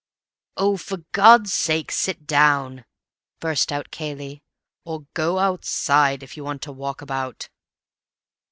"Oh, for God's sake sit down," burst out Cayley. "Or go outside if you want to walk about."